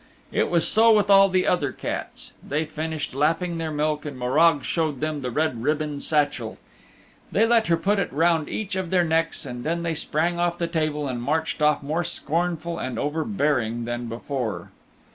It was so with all the other cats. They finished lapping their milk and Morag showed them the red ribbon satchel. They let her put it round each of their necks and then they sprang off the table, and marched off more scornful and overbearing than before.